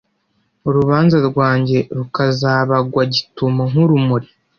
urubanza rwanjye rukazabagwa gitumo nk’urumuri;